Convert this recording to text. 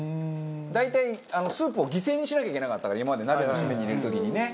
大体スープを犠牲にしなきゃいけなかったから今まで鍋のシメに入れる時にね。